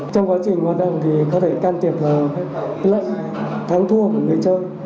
trong quá trình hoạt động thì có thể can thiệp vào thắng thua của người chơi